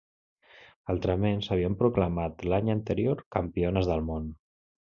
Altrament, s'havien proclamat l'any anterior campiones del món.